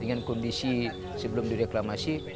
dengan kondisi sebelum direklamasi